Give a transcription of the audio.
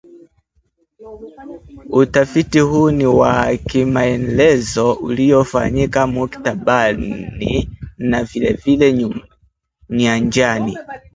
Utafiti huu ni wa kimaelezo uliofanyika maktabani na vilevile nyanjani